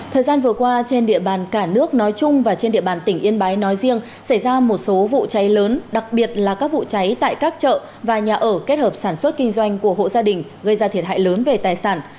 thời gian vừa qua trên địa bàn cả nước nói chung và trên địa bàn tỉnh yên bái nói riêng xảy ra một số vụ cháy lớn đặc biệt là các vụ cháy tại các chợ và nhà ở kết hợp sản xuất kinh doanh của hộ gia đình gây ra thiệt hại lớn về tài sản